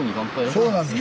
そうなんです